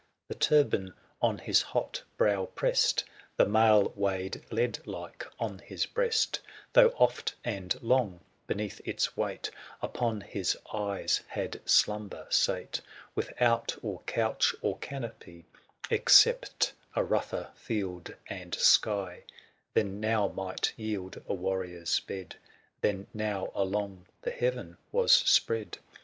The turban on his hot brow pressed, ^ The mail weighed lead like on his breast, "^Though oft and long beneath its weight 295 Upon his eyes had slumber sate, ito^ sii Without or couch or canopy, Except a rougher field and sky Than now might yield a warrior's bed, Than now along the heaven was spread, 300 THE SIEGE OF CORINTH.